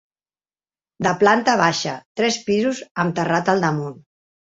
De planta baixa, tres pisos amb terrat al damunt.